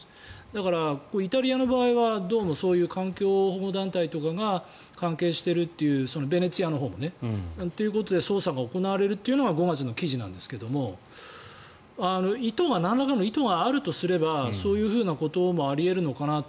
だから、イタリアの場合はどうもそういう環境保護団体とかが関係しているというベネチアのほうもね捜査が行われるというのが５月の記事なんですけどなんらかの意図があるとすればそういうこともあり得るのかなと。